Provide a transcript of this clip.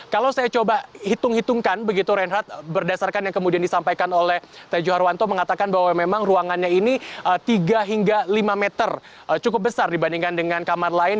kalau saya coba hitung hitungkan begitu reinhardt berdasarkan yang kemudian disampaikan oleh tejo harwanto mengatakan bahwa memang ruangannya ini tiga hingga lima meter cukup besar dibandingkan dengan kamar lain